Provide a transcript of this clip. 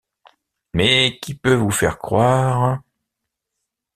Mais qui peut vous faire croire…